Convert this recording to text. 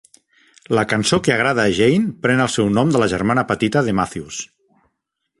"La Cançó que Agrada a Jane" pren el seu nom de la germana petita de Matthews.